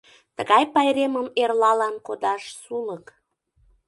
Тыгай пайремым эрлалан кодаш сулык.